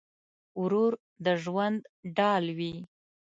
ورور د ژوند ډال وي.